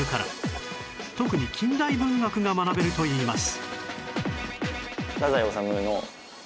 特に近代文学が学べるといいます